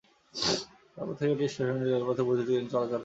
তারপর থেকে স্টেশনটির রেলপথে বৈদ্যুতীক ট্রেন চলাচল করে।